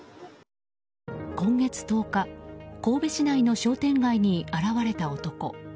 今月１０日神戸市内の商店街に現れた男。